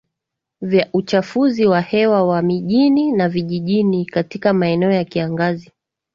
vya uchafuzi wa hewa wa mijini na vijijini Katika maeneo ya kiangazi